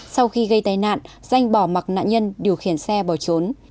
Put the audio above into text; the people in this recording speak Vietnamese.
sau khi gây tai nạn danh bỏ mặc nạn nhân điều khiển xe bỏ trốn